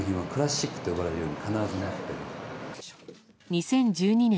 ２０１２年